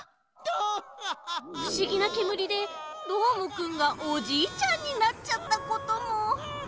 ふしぎなけむりでどーもくんがおじいちゃんになっちゃったことも。